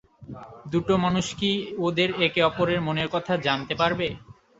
দুটো মানুষ কি ওদের একে অপরের মনের কথা জানতে পারবে?